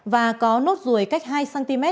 và có nốt ruồi cách hai cm